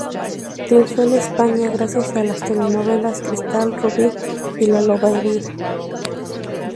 Triunfó en España gracias a las telenovelas "Cristal", "Rubi" y "La Loba Herida".